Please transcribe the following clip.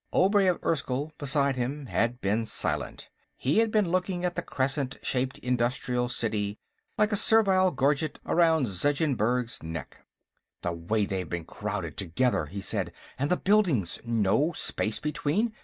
Obray of Erskyll, beside him, had been silent. He had been looking at the crescent shaped industrial city, like a servile gorget around Zeggensburg's neck. "The way they've been crowded together!" he said. "And the buildings; no space between.